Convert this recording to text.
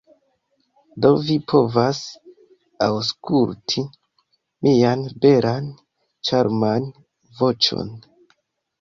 Do vi povas aŭskulti mian belan, ĉarman... voĉon.